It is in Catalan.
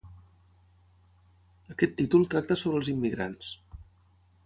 Aquest títol tracta sobre els immigrants.